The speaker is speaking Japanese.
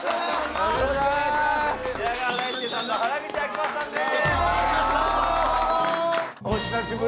宮川大輔さんと原口あきまささんです。